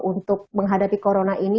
untuk menghadapi corona ini